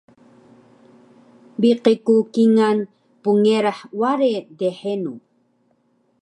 biqi ku kingal pngerah ware dhenu